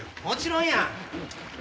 もちろんや。